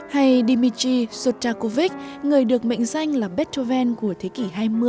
hay dmitry sutakovich người được mệnh danh là beethoven của thế kỷ hai mươi